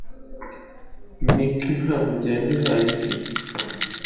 Niki Ntabwo byari bihagije